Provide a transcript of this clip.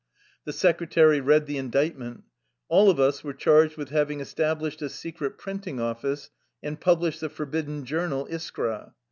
The secretary read the indictment. All of us were charged with having established a secret printing office and published the forbidden journal Iskra.